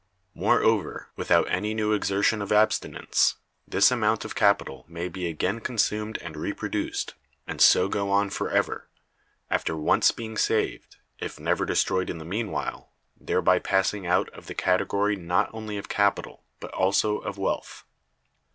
Moreover, without any new exertion of abstinence, this amount of capital may be again consumed and reproduced, and so go on forever, after once being saved (if never destroyed in the mean while, thereby passing out of the category not only of capital, but also of wealth).